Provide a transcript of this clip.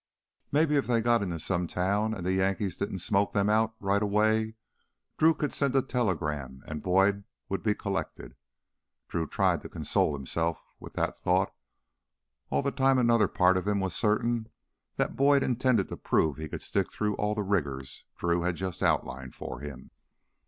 Maybe if they got into some town and the Yankees didn't smoke them out right away, Drew could send a telegram and Boyd would be collected. Drew tried to console himself with that thought all the time another part of him was certain that Boyd intended to prove he could stick through all the rigors Drew had just outlined for him.